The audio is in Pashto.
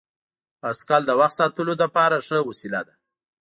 بایسکل د وخت ساتلو لپاره ښه وسیله ده.